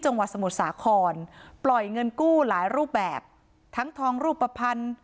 จังหวัดสมุทรสาครปล่อยเงินกู้หลายรูปแบบทั้งทองรูปภัณฑ์